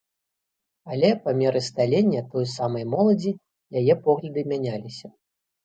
Але па меры сталення той самай моладзі, яе погляды мяняліся.